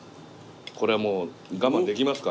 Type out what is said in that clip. これもう我慢できますか？